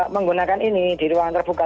menggunakan ini di ruangan tertutup